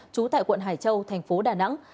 trú tại quận hải châu thành phố đà nẵng